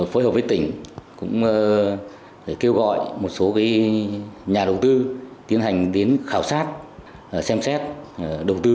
phối hợp với tỉnh cũng kêu gọi một số nhà đầu tư tiến hành đến khảo sát xem xét đầu tư